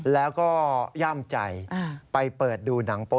แล้วก็ย่ามใจไปเปิดดูหนังโป๊